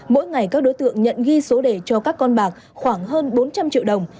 mỗi ngày các đối tượng nhận ghi số đề cho các con bạc khoảng hơn bốn trăm linh triệu đồng